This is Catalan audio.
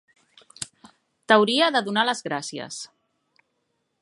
T'hauria de donar les gràcies.